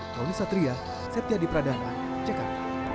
wawin satria setia di pradana cekar